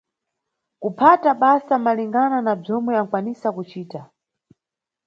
Kuphata basa malingana na bzomwe ankwanisa kucita.